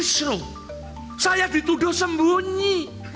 saya dituduh sembunyi